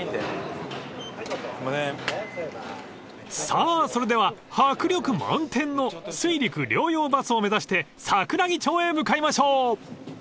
［さぁそれでは迫力満点の水陸両用バスを目指して桜木町へ向かいましょう］